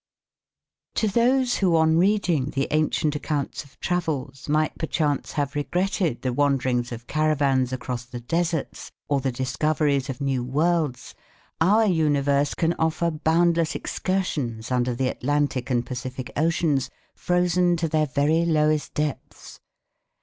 To those who on reading the ancient accounts of travels might perchance have regretted the wanderings of caravans across the deserts or the discoveries of new worlds, our universe can offer boundless excursions under the Atlantic and Pacific Oceans frozen to their very lowest depths.